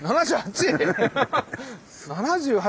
７８！